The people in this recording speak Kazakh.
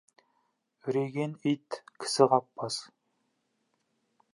Үреген ит кісі қаппас.